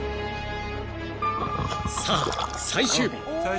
［さあ最終日］